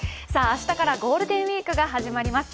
明日からゴールデンウイークが始まります。